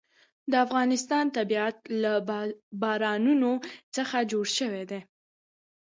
د افغانستان طبیعت له بارانونو څخه جوړ شوی دی.